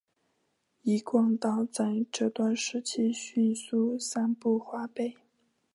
一贯道在这段时期迅速散布华北。